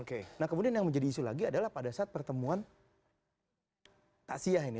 oke nah kemudian yang menjadi isu lagi adalah pada saat pertemuan taksiyah ini